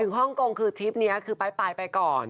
ถึงฮ่องกงคือทริปนี้คือไปก่อน